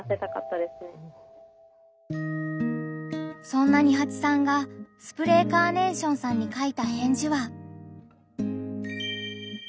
そんなニハチさんがスプレーカーネーションさんに書いた返事は。